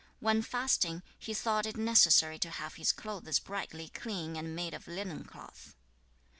When fasting, he thought it necessary to have his clothes brightly clean and made of linen cloth.